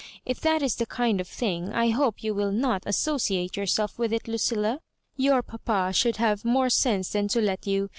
If that is the kind of thing, 1 hope you will not associate yourself with it, Lucilla. Tour papa should have more sense than to let you.